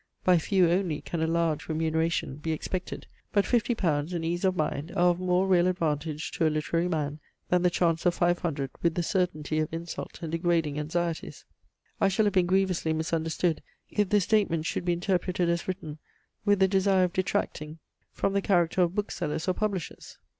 By few only can a large remuneration be expected; but fifty pounds and ease of mind are of more real advantage to a literary man, than the chance of five hundred with the certainty of insult and degrading anxieties. I shall have been grievously misunderstood, if this statement should be interpreted as written with the desire of detracting from the character of booksellers or publishers.